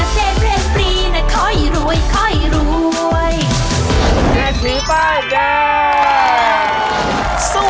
เซทีป้ายแดง